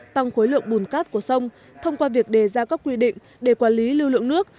tăng khối lượng bùn cát của sông thông qua việc đề ra các quy định để quản lý lưu lượng nước